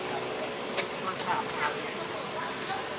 เป็นอันตรายที่เอามากมุมตัวแจ้ง